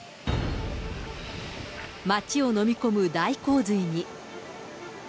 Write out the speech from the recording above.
町を飲み込む大洪水に。